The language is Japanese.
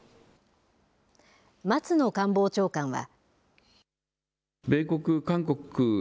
松野官房長官は。